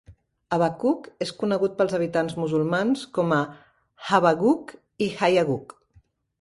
Habacuc és conegut pels habitants musulmans com a Habaghugh i Hayaghugh.